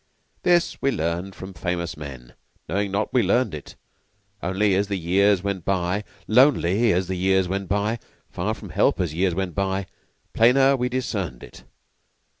This we learned from famous men Knowing not we learned it. Only, as the years went by Lonely, as the years went by Far from help as years went by Plainer we discerned it.